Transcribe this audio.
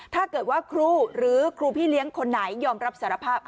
ถ้าเกิดว่าครูหรือครูพี่เลี้ยงคนไหนยอมรับสารภาพ